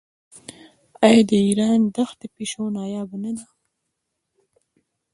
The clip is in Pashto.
آیا د ایران دښتي پیشو نایابه نه ده؟